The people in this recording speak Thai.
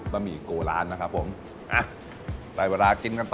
บะหมี่โกลานนะครับผมไปเวลากินกันต่อ